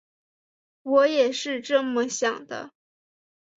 我也是这么想的